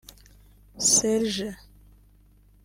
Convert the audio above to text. Serge